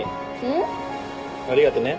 ん？ありがとね。